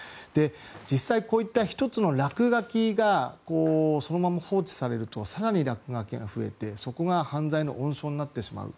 実際、こういった１つの落書きがそのまま放置されると更に落書きが増えてそこが犯罪の温床になってしまう。